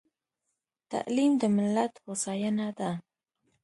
تعليم د ملت هوساينه ده.